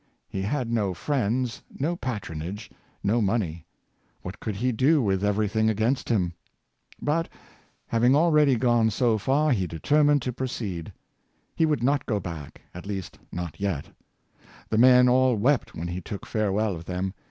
He had no friends, no patronage, no money! What could he do with everything against him.^ But, having already gone so far, he determined to proceed. He would not go back — at least, not yet. The men all wept when he took farewell of them.